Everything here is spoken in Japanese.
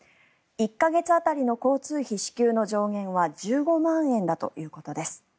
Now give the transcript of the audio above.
１か月当たりの交通費支給の上限は１５万円だということです。